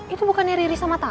itu bukannya riri sama tanti